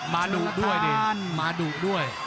มาดูด้วยดิมาดูด้วย